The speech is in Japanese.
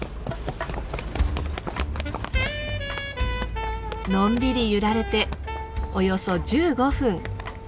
のんびり揺られておよそ１５分。